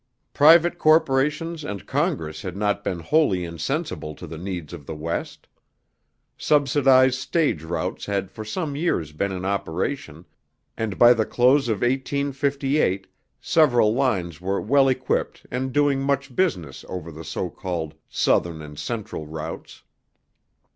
Private corporations and Congress had not been wholly insensible to the needs of the West. Subsidized stage routes had for some years been in operation, and by the close of 1858 several lines were well equipped and doing much business over the so called Southern and Central routes.